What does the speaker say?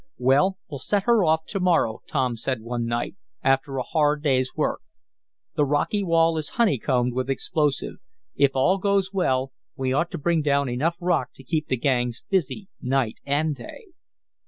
"Well, we'll set her off to morrow," Tom said one night, after a hard day's work. "The rocky wall is honeycombed with explosive. If all goes well we ought to bring down enough rock to keep the gangs busy night and day."